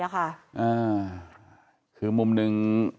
คือมุมหนึ่ง